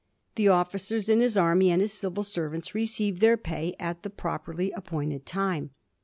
The officers in his army, and his civil servants, received their pay at the pro perly appointed time.